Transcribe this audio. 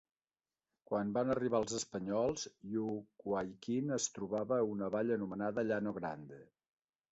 Quan van arribar els espanyols, Yucuaiquín es trobava a una vall anomenada "Llano Grande".